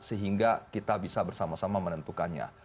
sehingga kita bisa bersama sama menentukannya